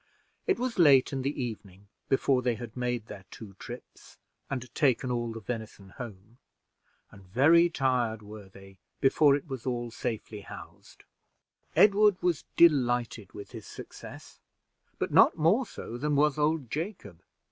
It was late in the evening before they had made their two trips and taken all the venison home, and very tired were they before it was safely housed. Edward was delighted with his success, but not more so than was old Jacob.